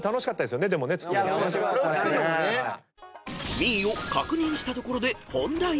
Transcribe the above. ［Ｍｉｉを確認したところで本題へ］